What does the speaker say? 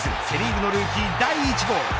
セ・リーグのルーキー第１号。